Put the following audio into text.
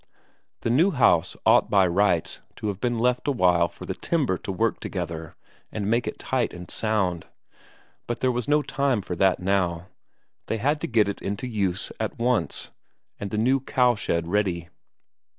The new house ought by rights to have been left a while for the timber to work together and make it tight and sound, but there was no time for that now; they had to get it into use at once, and the new cowshed ready.